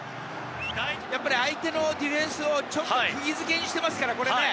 やっぱり相手のディフェンスをちょっと釘付けにしてますからこれね